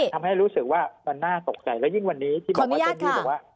ทำให้รู้สึกว่ามันน่าตกใจแล้วยิ่งวันนี้ที่บอกว่า